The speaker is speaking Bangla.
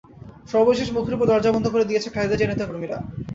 সর্বশেষ মুখের ওপর দরজা বন্ধ করে দিয়েছে খালেদা জিয়ার নেতা কর্মীরা।